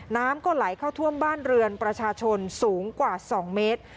น้ำก็ไหลเข้าท่วมบ้านเรือนประชาชนสูงกว่า๒เมตร